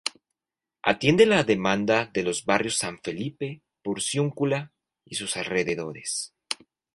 Atiende la demanda de los barrios San Felipe, Porciúncula y sus alrededores.